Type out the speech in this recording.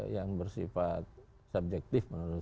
yang bersifat subjektif menurut